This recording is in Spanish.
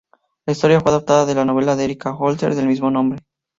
La historia fue adaptada de la novela de Erika Holzer del mismo nombre.